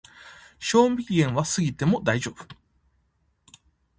賞味期限は過ぎても大丈夫